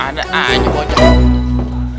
ada aja bocah